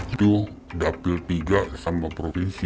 itu dapil tiga sama provinsi